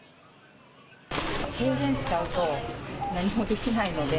停電しちゃうと何もできないので。